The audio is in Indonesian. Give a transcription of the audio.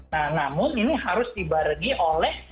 nah namun ini harus dibarengi oleh